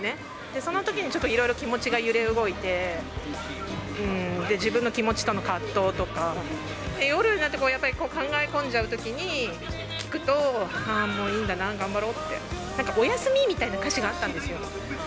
そのときにちょっといろいろ気持ちが揺れ動いて、自分の気持ちとの葛藤とか、夜になってやっぱり考え込んじゃうときに聴くと、ああ、もういいんだな、頑張ろうって、なんかおやすみみたいな歌詞があったんですよ。